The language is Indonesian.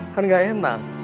kan gak enak